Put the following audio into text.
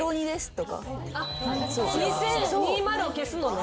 ２０を消すのね。